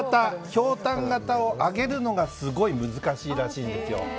ひょうたん形を揚げるのがすごい難しいらしいんですよ。